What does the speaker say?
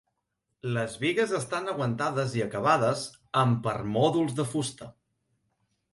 Les bigues estan aguantades i acabades amb permòdols de fusta.